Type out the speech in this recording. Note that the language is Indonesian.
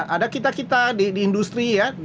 ada kita kita di industri ya